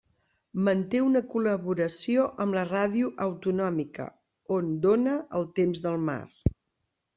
Manté una col·laboració amb la ràdio autonòmica, on dóna el temps del mar.